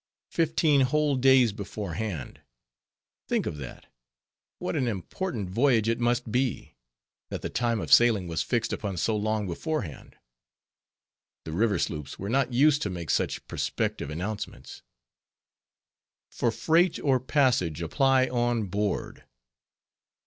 Fifteen whole days beforehand; think of that; what an important voyage it must be, that the time of sailing was fixed upon so long beforehand; the river sloops were not used to make such prospective announcements. _For freight or passage apply on board!